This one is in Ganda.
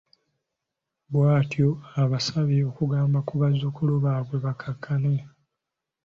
Bw'atyo abasabye okugamba ku bazzukulu baabwe bakkakkane.